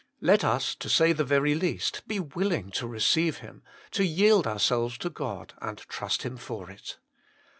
Let us, to say the very least, be willing to receive Him, to yield ourselves to God and trust Him for it.